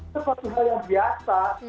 seperti hal yang biasa